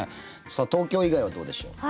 さあ、東京以外はどうでしょう。